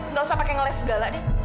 nggak usah pakai ngeles segala deh